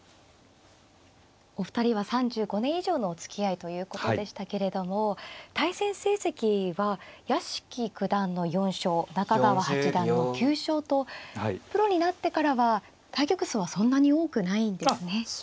お二人は３５年以上のおつきあいということでしたけれども対戦成績は屋敷九段の４勝中川八段の９勝とプロになってからは対局数はそんなに多くないんですね。